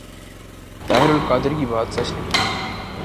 طاہر القادری کی بات سچ نکلی ۔